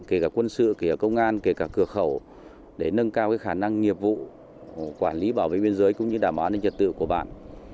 kể cả quân sự kể cả công an kể cả cửa khẩu để nâng cao khả năng nghiệp vụ quản lý bảo vệ biên giới cũng như đảm bảo an ninh trật tự của bản